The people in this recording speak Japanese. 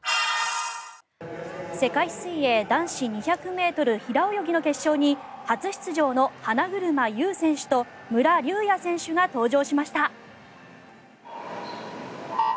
世界水泳男子２００ｍ平泳ぎの決勝に初出場の花車優選手と武良竜也選手が登場しました。